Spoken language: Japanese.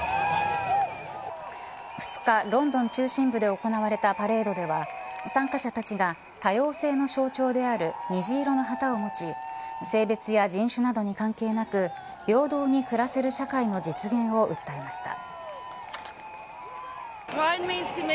２日、ロンドン中心部で行われたパレードでは参加者たちが多様性の象徴である虹色の旗を持ち性別や人種などに関係なく平等に暮らせる社会の実現を訴えました。